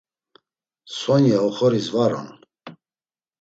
Sonya oxoris var on.